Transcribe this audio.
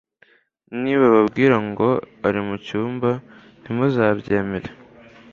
nibababwira ngo ari mu cyumba ntimuzabyemere,